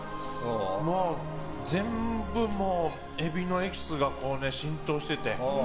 もう全部、エビのエキスが浸透してて。